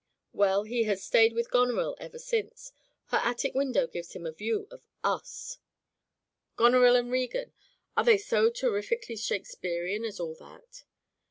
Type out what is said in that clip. Well, he has stayed with Goneril ever since. Her attic window gives him a view of us:' "Goneril and Regan — are they so terrifi cally Shakespearian as all that